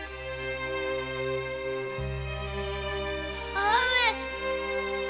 母上！